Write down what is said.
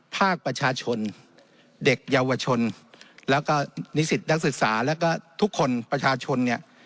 ภาคประชาชนเด็กเยาวชนแล้วก็นิสิตนักศึกษาแล้วก็ทุกคนประชาชนเนี่ย